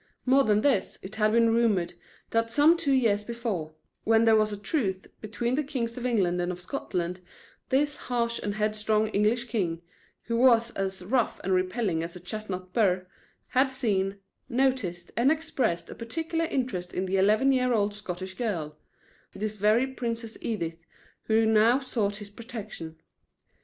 More than this, it had been rumored that some two years before, when there was truce between the kings of England and of Scotland, this harsh and headstrong English king, who was as rough and repelling as a chestnut burr, had seen, noticed, and expressed a particular interest in the eleven year old Scottish girl this very Princess Edith who now sought his protection.